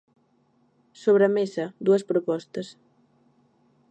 Sobre a mesa, dúas propostas.